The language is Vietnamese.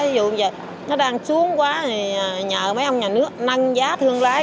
vụ như vậy nó đang xuống quá thì nhờ mấy ông nhà nước nâng giá thương lái